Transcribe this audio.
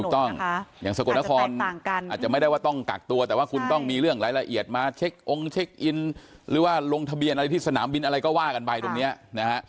อย่างสกลนครอาจจะไม่ได้ว่าต้องกักตัวแต่ว่าคุณต้องมีเรื่องรายละเอียดมาเช็คองค์เช็คอินหรือว่าลงทะเบียนอะไรที่สนามบินอะไรก็ว่ากันไปตรงนี้นะฮะ